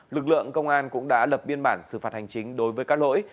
lực lượng công an cũng đã lập biên bản xử phạt hành chính đối với các lỗi